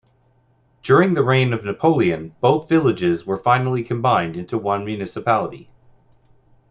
During the reign of Napoleon, both villages were finally combined into one municipality.